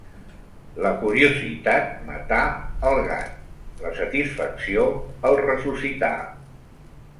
La curiositat matà el gat, la satisfacció el ressuscità.